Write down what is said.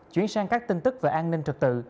chuyển sang các tin tức về an ninh trật tự